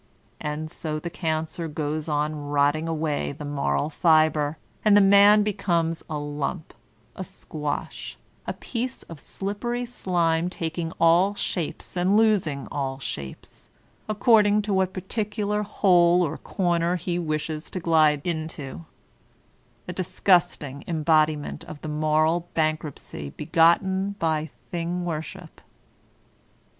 And so the cancer goes on rotting away the moral fibre, and the man becomes a lump, a squash, a piece of slippery slime, taking all shapes and losing all shapes, according to what particular hole or comer he wishes to glide into, a disgusting embodiment of the moral bankruptcy tx^tten by Thing Worship.